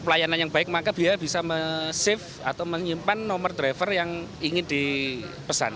layanan yang baik maka dia bisa menyimpan nomor driver yang ingin dipesan